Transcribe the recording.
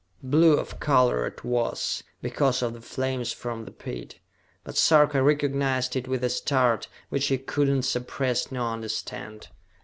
Blue of color it was, because of the flames from the pit; but Sarka recognized it with a start which he could not suppress nor understand.